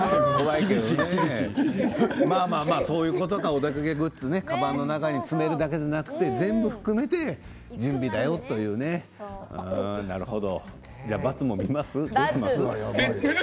お出かけグッズかばんの中に詰めるだけじゃなくて全部含めて準備だよということですね。